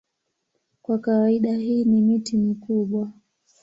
Kwa kawaida hii ni miti mikubwa.